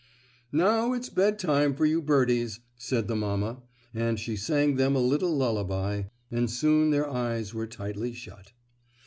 "Now it's bedtime for you birdies," said the mamma, and she sang them a little lullaby and soon their eyes were tightly shut.